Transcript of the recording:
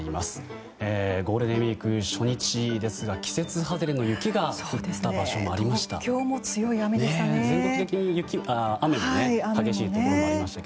ゴールデンウィーク初日ですが季節外れの雪が東京も強い雨でした。